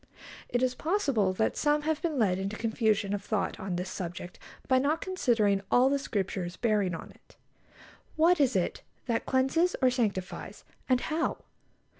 It is possible that some have been led into confusion of thought on this subject by not considering all the Scriptures bearing on it. What is it that cleanses or sanctifies, and how?